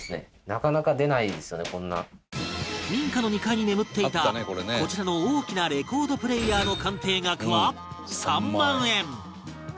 民家の２階に眠っていたこちらの大きなレコードプレイヤーの鑑定額は３万円